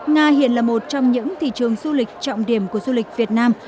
nga hiện là một trong những thị trường du lịch trọng điểm của du lịch việt nam